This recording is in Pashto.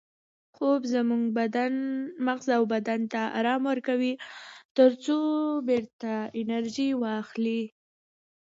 خوب زموږ مغز او بدن ته ارام ورکوي ترڅو بیرته انرژي واخلي